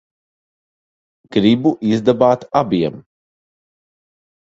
Gribu izdabāt abiem.